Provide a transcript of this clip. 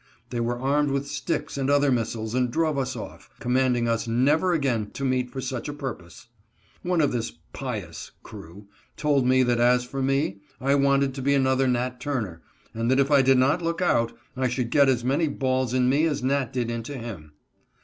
They were armed with sticks and other missiles and drove us off, commanding us never again to meet for such a purpose. One of this pious crew told me that as for me, I wanted MASTER THOMAS' CRUELTY. 137 to be another Nat. Turner, and that, if I did not look out, I should get as many balls in me as Nat. did into him.